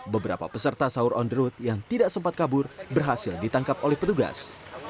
beberapa peserta sahur on the road yang tidak sempat kabur berhasil ditangkap oleh petugas